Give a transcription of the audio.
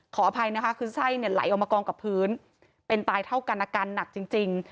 ขออภัยนะคะคือไส้เนี่ยไหลออกมากองกับพื้นเป็นตายเท่ากันอาการหนักจริง